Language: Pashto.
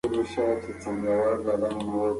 ماشوم غوښتل چې ژر تر ژره زېری ورکړي.